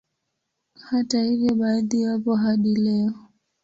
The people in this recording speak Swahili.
Hata hivyo baadhi wapo hadi leo